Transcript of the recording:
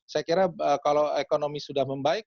saya kira kalau ekonomi sudah membaik